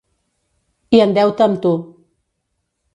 I en deute amb tu.